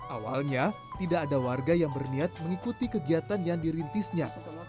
awalnya tidak ada warga yang berniat mengikuti kegiatan yang dirintisnya